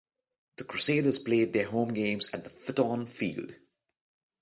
The Crusaders played their home games at Fitton Field.